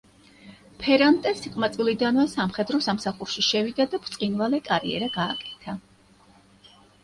ფერანტე სიყმაწვილიდანვე სამხედრო სამსახურში შევიდა და ბრწყინვალე კარიერა გააკეთა.